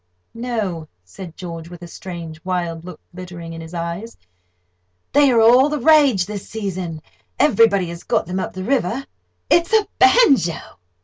"No," said George, with a strange, wild look glittering in his eyes; "they are all the rage this season; everybody has got them up the river. It's a banjo."